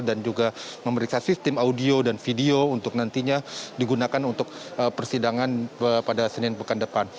dan juga memeriksa sistem audio dan video untuk nantinya digunakan untuk persidangan pada senin pekan depan